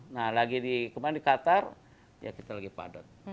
nah lagi kemarin di qatar ya kita lagi padat